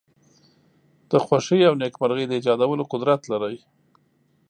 د خوښۍ او نېکمرغی د ایجادولو قدرت لری.